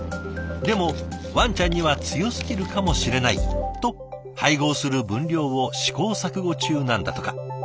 でもワンちゃんには強すぎるかもしれないと配合する分量を試行錯誤中なんだとか。